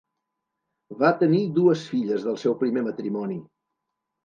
Va tenir dues filles del seu primer matrimoni.